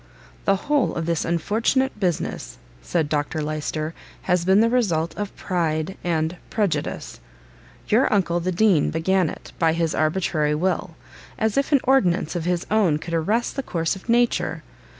"The whole of this unfortunate business," said Dr Lyster, "has been the result of PRIDE and PREJUDICE. Your uncle, the Dean, began it, by his arbitrary will, as if an ordinance of his own could arrest the course of nature!